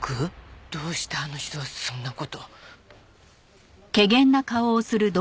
どうしてあの人がそんな事。